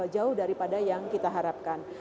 jauh daripada yang kita harapkan